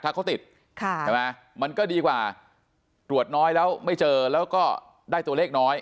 ถ้าเขาติดมันก็ดีกว่าตรวจน้อยแล้วไม่เจอแล้วก็ได้ตัวเลขน้อย